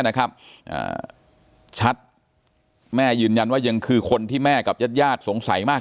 นะครับอ่าชัดแม่ยืนยันว่ายังคือคนที่แม่กับญาติญาติสงสัยมาก